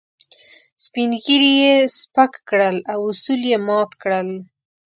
سپين ږيري يې سپک کړل او اصول يې مات کړل.